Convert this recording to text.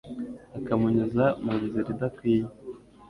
akamunyuza mu nzira idakwiye